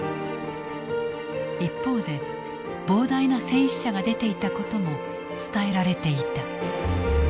一方で膨大な戦死者が出ていたことも伝えられていた。